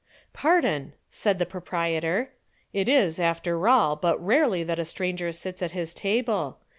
"Pardon," said the proprietor. "It is, after all, but rarely that a stranger sits at his table.